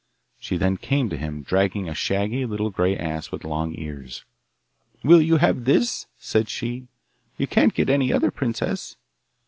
She then came to him, dragging a shaggy little grey ass with long ears. 'Will you have this?' said she; 'you can't get any other princess!